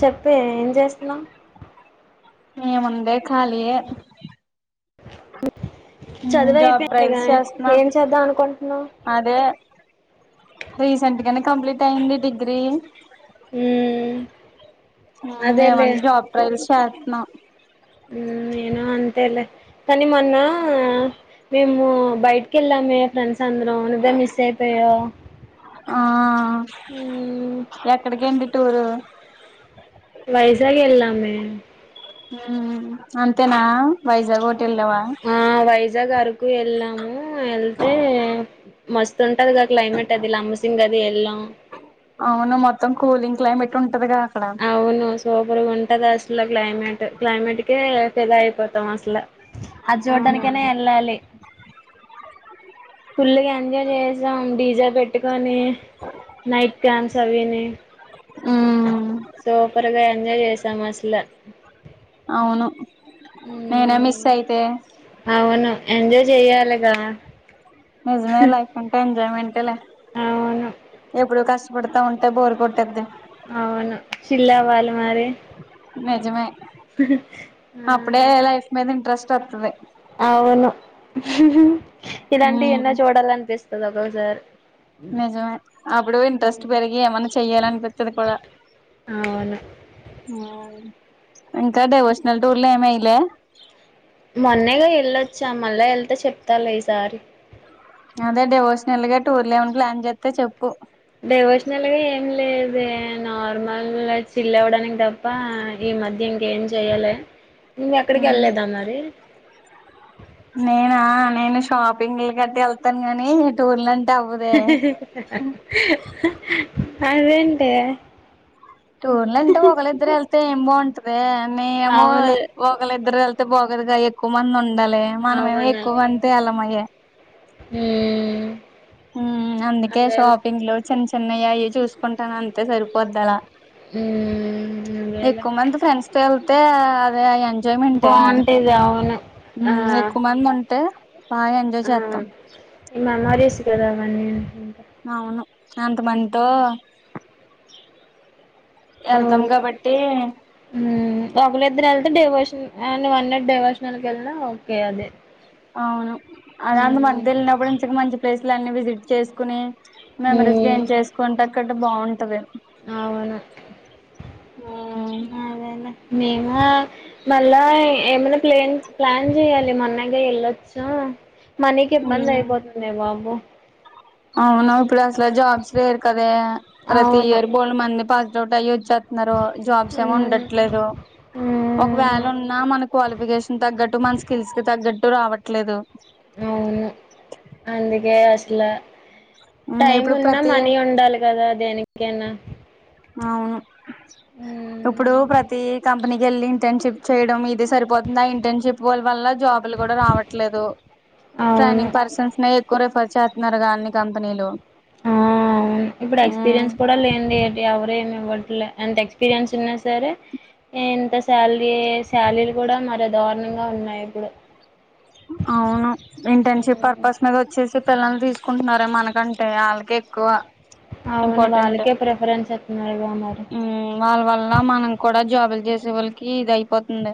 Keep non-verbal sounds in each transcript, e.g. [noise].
చెప్పే ఏం చేస్తున్నావు ఏముందే ఖాలీయె చదువు అయిపోయింది గా ట్రయల్స్ చేస్తున్నా ఏం చేద్దాం అనుకుంటున్నావు అదే రీసెంట్ గానే కంప్లీట్ అయింది డిగ్రీ ఉ ఏం ఉంది ఏమన్ జాబ్ ట్రైల్స్ చేస్తున్నా నా అంతేలే కానీ మొన్న మేము బయటికి వెళ్ళామే ఫ్రెండ్స్ అందరం అవునుదా మిస్ అయిపోయా ఆ ఎక్కడికండి టూరు వైజాగ్ వెళ్ళమే హ అంతేనా వైజాగ్ ఓట్ ఆ వైజాగ్ అరకు వెళ్ళాము వెళ్తే మస్ తుంటది గా క్లైమేట్ అది లమ్ముసింగ్ అది వెళ్ళాం అవును మొత్తం కూలింగ్ క్లైమేట్ ఉంటదిగా అక్కడ అవును సూపర్ గా ఉం ఉంటదా అసలు క్లైమేట్ క్లైమేట్ కే ఫిదా అయిపోతాం అసలు అది జూడటానికి అయిన వెళ్ళాలి ఫుల్లుగా ఎంజాయ్ చేసాం డీజె పెట్టుకొని నైట్ క్రామ్స్ అవిని ఉ సూపర్ గా ఎంజాయ్ చేసాం అసలు అవును నినే మిస్ అయితే అవును ఎంజాయ్ చెయ్యాలే గా నిజమే లైఫ్ అంటే ఎంజాయ్మెంట్ ఏ లే అవును ఎప్పుడు కస్ వడతా ఉంటే బోరు కొట్టిది అవును చిల్ అవ్వాలి మారి నిజమే అప్పుడే లైఫ్ మీద ఇంట్రెస్ట్ వత్తాది అవును ఇలాంటి ఎన్నో చూడాల అనిపిస్తుంది ఒక్కొక్కసారి నిజమే అప్పుడు ఇంట్రెస్ట్ పెరిగి ఏమన్నా చెయ్యాల అనిపిత్తది కూడా అవును ఇంకా డెవోషనల్ టూర్లు ఏం ఏయ్యాలే మొన్నేగా వెళ్ళొచ్చా మళ్ళా వెళ్తే చెప్తాలే ఈసారి అదే డెవోషనల్ గా టూర్ ఏమని ప్లాన్ చేస్తే చెప్పు డివోషనల్ గా ఏం లేదే నార్మల్ చిల్ అవ్వడానికి తప్ప ఈ మధ్య ఇంకేం చెయాలే నువ్ ఎక్కడికి వెళ్లేదా మరి నేనా నేను షాపింగ్ లు గట్ట వెళ్తాను కాని టూర్ల అన్ అదేంటే టూర్లు అంటే ఒక్కలు ఇద్దరు వెళ్తే ఎం బాగుంటదే మీమో అవును ఒక్కలుఇద్దు ఇద్దరు వెళ్తే బాగోదు గా ఎక్కువ మంది ఉండాలి మనము ఏమో ఎక్కువ మందితో వెళ్లమాయే ఏ ఉ అందుకే షాపింగ్ లో చిన్న చిన్నయీ అయి చూసుకుంటాను అంతే సరిపోద్ది అలా మ్మ్ అదేలే ఎక్కువ మంది ఫ్రెండ్స్ తో వెళ్తే అదే అయాన్ బాగుంటాది అవును హు ఆ ఎక్కువ మంది ఉంటే బాగా ఎంజాయ్ చేస్తాం హి మామరీస్ కదా అవన్నీ ఇంకా అవును అంతమందితో వెళ్తాం కాబట్టి ఒకలిద్దరూ వెళ్తే డెవోషన్ అ వన్ నట్ డైవోషనల్కి వెళ్ళినా ఓకే అది అవును అదాంత హ్మ్ మధ్యాలొ వెళ్ళినప్పుడు ఇక మంచి ప్లేసులున్నిీ విజిట్ చేసుకుని మెమరీస్ గెయిన్ చేసుకుంటే అక్కడ బాగుంటది ఆవును ఉమ్ అదేలే మేము మళ్ళా ఏమైనా ప్లేన్ ప్లాన్ చేయాలి మొన్నగా వెళ్ళొచ్చు మనీకి ఇబ్బంది ఉమ్ అయిపోతుందే బాబు అవును ఇప్పుడు అసలు జాబ్స్ లేవు కదే ప్రతి అవును ఇయర్ బోల్ళ మంది పాస్ అవుట్ అయ్య వచ్చు చేస్తున్నారు జాబ్స్ ఏమో హ్మ్ ఉండట్లేదు హ్మ్ ఒకవేళ ఉన్నా మన క్వాలిఫికేషన్ తగ్గట్టు మన స్కిల్స్ కి తగ్గట్టు రావట్లేదు అవును అందుకే అసలు ఉమ్, టైం ఇప్పుడు ఉన్నా ప్రతి మనీ ఉండాలి కదా దేనికైనా అవును ఇప్పుడు హ్మ్ ప్రతి కంపెనీ వెళ్ళి ఇంటర్న్షిప్ చేయడం ఇది సరిపోతుంది ఆ ఇంటర్న్షిప్ వల్ల జాబ్ జాబ్ లు కూడా రావట్లేదు అవును ట్రైనింగ్ పర్సన్స్ నే ఎక్కువ రిఫర్ చె న్నరగాన్ని కంపెనీలు ఆవును ఇప్పుడు మ్మ్ ఎక్స్పీరియన్స్ కూడా లేండి ఎవరేమి ట్ అంత ఎక్స్పీరియన్స్ ఉన్నా సరే ఇంత శాలరీ శాలరీలు కూడా మర దారుణంగా ఉన్నాయి ఇప్పుడు అవును ఇంటర్న్షిప్ హ్మ్. పర్పస్ మీద వచ్చేసి పిల్లలు తీసుకుంటున్నారే మనకంటే వాళ్ళకే ఎక్కువ అవును ఇంపార్టెంట్ వాళ్ళకే ప్రిఫరెన్స్ ఇస్తున్నారు గ మరి ఉమ్ వాళ్ళ వల్ల మనం కూడా జాబులు చేసే వాళ్ళకి ఇది అయిపోతుంది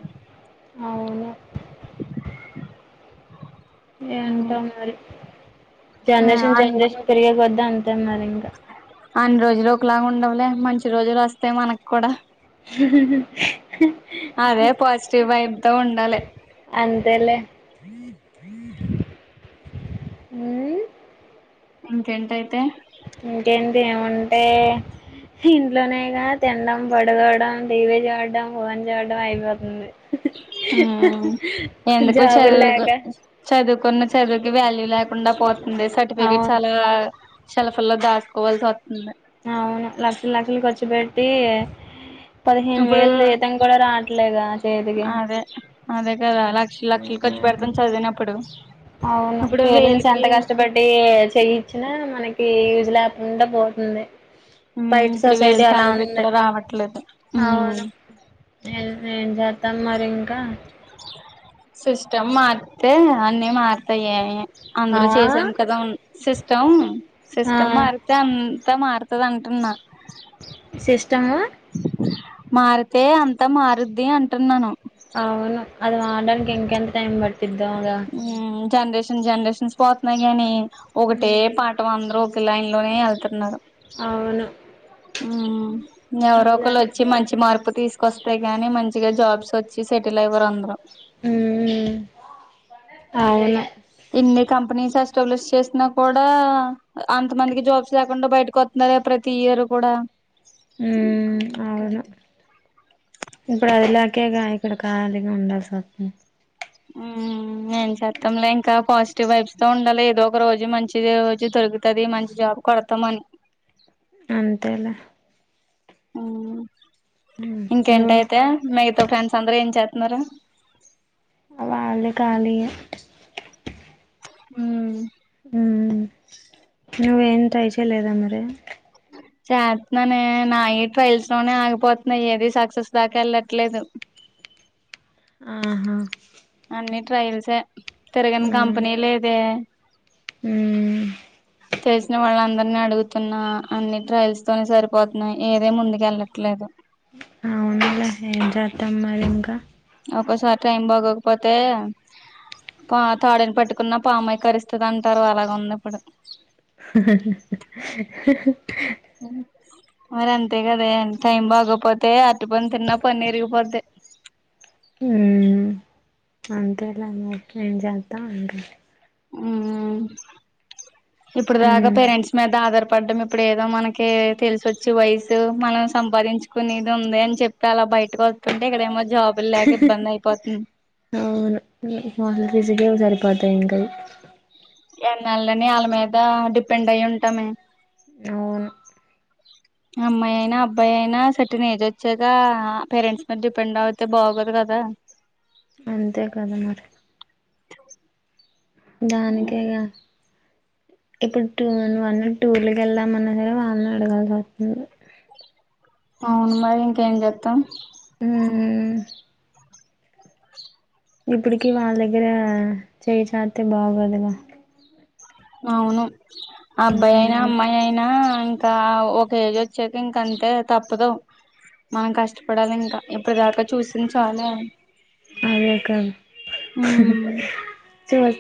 అవును ఏంటో మరి ఆ జనరేషన్ అన్ని జనరేషన్ పెరిగే కొద్ది అంతే మరి ఇంకా అన్ని రోజులు ఒకలాగా ఉండవులే మంచి రోజులు వస్తాయి మనకు కూడా అదే పోజటీవ్ వైబతో ఉండాలి మ్మ్మ్మ్ ఇంకెంతైతే ఇంకేంది ఏమంటే ఇంట్లోనేగా తినడం పడకోవడం టీవి చూడడం పోన్ చూడడం అయిపోతుంది ఎందుకు జాబులు చదువు లేక చదువు కొన్న చదువుకి వాల్యూ లేకుండా పోతుంది సర్టిఫికెట్ అవును చాలా సెల్ఫలో దాస్తు కోవల్తు అవును లక్షలు లక్షలు ఖర్చు పెట్టి పదిహేను ఇప్పుడు వేలు ఈతం కూడా రావట్లేగా చేతికి అదే అదే కదా లక్షలు లక్షలు ఖర్చు పెడతాము చదివినప్పుడు అవును ఇప్పుడు పేరెంట్స్ ఎంత వేలుకి కష్టపడి చేయిచ్చినా మనకి ఈూజు లేకుండా పోతుంది మ్మ్ బయటి ఇప్పుడు వేలు సొసైటీ అలా శాలరీ ఉంది కూడా రావట్లేదు మ్మ్ అవును నే ఏం చేస్తాం మరి ఇంకా సిస్టమ్ మార్తే అన్నీ మారతాయ అందరు అవా చేసాం కదా సిస్టమ్ ఆ సిస్టమ్ మారితే అ అంత మారుతుంది అంటున్నా సిస్టమ్ మారితే అంతా మారుద్ది అంటున్నాను అవును అది ఆడానికి ఇంకెంత టైమ్ పడుతుంది జనరేషన్ జనరేషన్స్ పోతున్నాయి్ గాని ఒకటే ఉమ్ పాఠం అందరుూ ఒక లైన్లోనే ఎళ్తున్నారు అవ్ను మ్ ఎవరో ఒకరు వచ్చి మంచి మా మార్పు తీస్కొస్తే గాని మంచిగా జాబ్స్ వచ్చి సెటిల్ అయివారు అందరు మ్ ఇన్ని కంపెనీస్ ఎస్టాబ్లిష్ చేసిన కూ డా అంత మందికి జాబ్స్ లేకుండా బయటికొస్తున్నారే ప్రతి ఇయర్ కూడా మ్ అవును ఇప్పుడు అది లా కేగా ఇక్కడ కాలిగా ఉండాల్స్ వస్తుం మ్ ఏం చెత్తంలే ఇంకా పాజిటివ్ వైబ్స్తో ఉండాలి ఏదో ఒక రోజు మంచిది రోజు తొ జరుగుతుది మంచి జాబ్ కొడతామని అంతేలె ఉమ్ నువ్వు ఇంకేంటయితే మిగతా ఫ్రెండ్స్ అందరుూ ఏం చేస్తున్నారు ఆ వాళ్ళు కాలియే మ్ మ్ నువ్వేం ట్రై చేయలేదా మరి చేస్తున్నానే నాయి ట్రయల్స్లోనే ఆగిపోతున్నాయి. ఏది సక్సెస్ దాకా ఎళ్ళట్లేదు [unintelligible] ఆహ అన్ని ట్రయల్సే తిరగని ఉమ్ కంపెనీ లేదే ఉమ్ తెల్సిన వాళ్ళందర అని అడుగుతున్నా అన్ని ట్రయల్స్తోనే సరిపోతున్నయి ఏదే ముందుకెళ్ళట్లేదు అ అవునులే ఏం చేస్తాం మరి ఇంకా ఒక్కోసారి టైం బాగోకపోతే పా తాడుని పట్టుకున్న పామయి కరుస్తదంటారు అలాగ ఉంది ఇప్పుడు [unintelligible] మరంతే కదే టైం బాగోపోతే అరటి పండు తిన్నా పన్నిరిగిపోది. [unintelligible] మ్ అంతేలే మరి ఏం చేద్దాం మ్ ఇప్పుడు దాకా ఉమ్ పేరెంట్స్ మీద ఆదార్ పడ్డం ఇప్పుడు ఏదో మనకి తెలసోచ్చి వయసు మనం సంపాదించుకునేది ఉంది అని చెప్పి అలా బయ టికి వస్తుంటే ఇక్కడేమో జాబులు లేక ఇబ్బంద్ అయిపోతుం అవును మీ [unintelligible] ఎన్నాళని ఆళ్ళ మీద డిపెండ్ అయి ఉంటామే అవున్ అమ్మాయి అయినా అబ్బాయి అయినా సట్న ఏజ్ వచ్చాక పేరెంట్స్ మీద డిపెండ్ అవుతే బాగోదు క దా అంతే కదా మరి ఉమ్ దానికేగా ఇప్పుడు టూ వన్ వన్ టూర్కి కెళ్దాం అన్నా సరే వాళ్ళనే అడగాల్సి వస్తుంది. అవును మరి ఇంకేం చేత్తాం హ్మ్ ఇప్పుట్కి వాళ్ళ దగ్గర చేయి చాస్తే బాగోదుగా అవును ఆ అబ్బాయి అయినా మ్మ్ అమ్మాయి అయినా ఇంకా ఒక ఏజ్ వచ్చాక ఇంకా అంతే తప్పదు మనం కష్టపడాలి ఇంకా ఇప్పుట్ దాకా చూసిం చాలు ఇంకా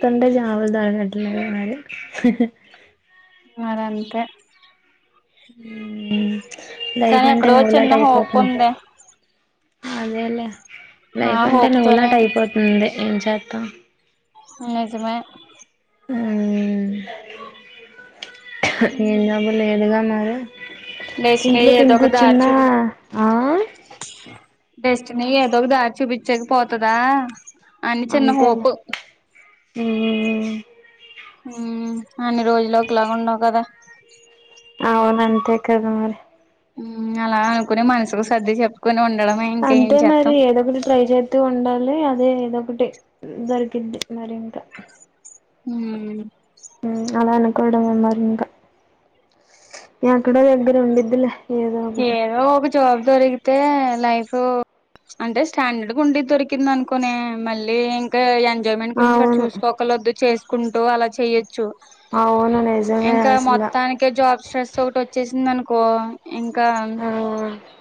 త్తంటే చావల్ [unintelligible] మరంతే లైఫ్ కానీ అంటే ఎక్కడో చిన్న హోప్ నవ్వులాటైపోతుం ఉందే అదేలే ఆ లైఫ్ అంటే హోప్ తోనే నువ్వులాటైపోతుంది ఏం చేస్తాం నిజమే హ్మ్ ఏం జాబు లేదుగా మరి డెస్టినీ ఇంట్లో ఏదో తిని ఒక దారి కూర్చున్నా చూపి ఆ డెస్టినీ ఏదో ఒక దారి చూపించక పోతుందా అని చిన్న హోప్ హుమహుమ్ ఉ అన్ని రోజులు ఒకలాగా ఉండవు కదా అవున అంతే కదా మరి అలా అనుకుని మనసుకు సర్ది చెప్పుకొని ఉండ అంతే మరి ఏద ఒకటి ట్రై చేత్తో ఉండ లి అదే ఇదొ ఒకటి దొరికింది మరి ఇంకా హ్మ్ ఉమ్, అలా అనుకోవడమే మరి ఇంకా ఎక్కడో దగ్గర ఉండడిద్లే ఏదో ఒక ఒక జాబ్ దొరికితే లైఫ్ అంటే స్టాండర్డ్ ఉండే దొరికింది అనుకునే మళ్ళీ ఇంకా ఎంజాయ్మెంట్ గురించి కానీ అవును చూసుకోకలదు చేసుకుంటూ అలా చేయొచ్చు అవును నిజమే ఇంకా అసలు మొత్తానినికి జాబ్ స్ట్రెస్ ఒకటి వచ్చేసింది అనుకో కో ఇంకా ఆ